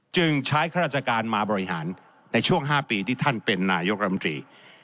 จึงใช้ข้าราชการมาบริหารในช่วง๕ปีที่ท่านเป็นนายกรัมตรี